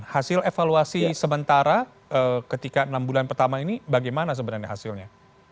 hasil evaluasi sementara ketika enam bulan pertama ini bagaimana sebenarnya hasilnya